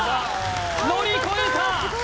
乗り越えた！